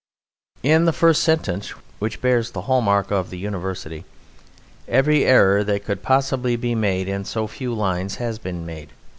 In the first sentence (which bears the hall mark of the University) every error that could possibly be made in so few lines has been made.